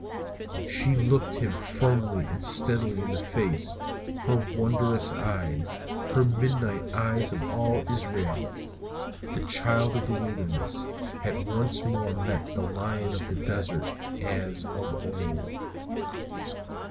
She looked him firmly and steadily in the face, her wondrous eyes, her midnight eyes of all Israel, the child of the wilderness, had once more met the lion of the desert as of old.